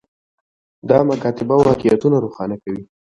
دا مکاتبه واقعیتونه روښانه کوي.